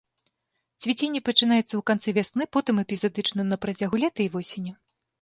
Цвіценне пачынаецца ў канцы вясны, потым эпізадычна на працягу лета і восені.